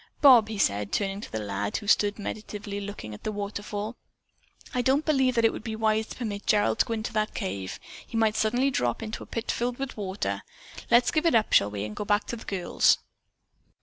"Bob," he said, turning to the lad who stood meditatively looking at the waterfall, "I don't believe that it would be wise to permit Gerald to go into that cave. He might suddenly drop into a pit filled with water. Let's give it up, shall we, and go back to the girls?"